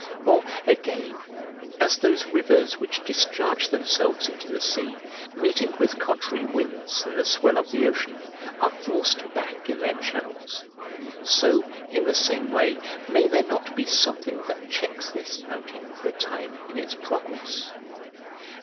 Or, again, as those rivers which discharge themselves into the sea, meeting with contrary winds and the swell of the ocean, are forced back in their channels, so, in the same way, may there not be something that checks this fountain, for a time, in its progress?